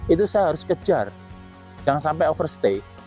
itu saya harus kejar jangan sampai overstay